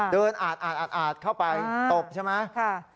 อาดเข้าไปตบใช่ไหม